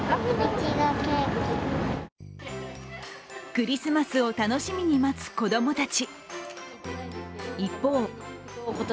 クリスマスを楽しみに待つ子供たち。